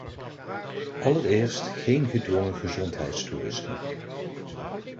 Allereerst geen gedwongen gezondheidstoerisme.